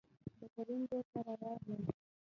دکريم دو کره راغلل،